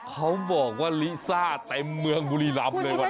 เขาบอกว่าลิซ่าเต็มเมืองบุรีรัมพ์เลยวันนั้น